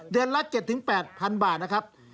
เดือนละ๗๘พันบาทนะครับ